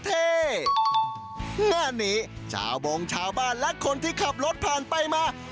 งานนี้ชาวบงชาวบ้านและคนที่ขับรถผ่านไปมา